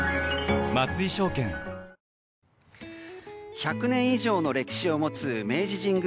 １００年以上の歴史を持つ明治神宮